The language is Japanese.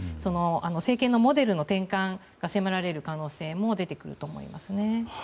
政権のモデルの転換が迫られる可能性も出てくると思います。